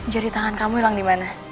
jari tangan kamu hilang di mana